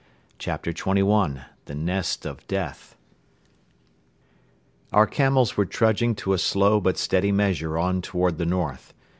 CHAPTER XXI THE NEST OF DEATH Our camels were trudging to a slow but steady measure on toward the north.